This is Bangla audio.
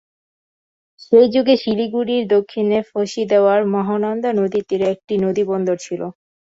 সেই যুগে শিলিগুড়ির দক্ষিণে ফাঁসিদেওয়ায় মহানন্দা নদীর তীরে একটি নদীবন্দর ছিল।